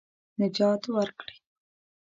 نجات ورکړي.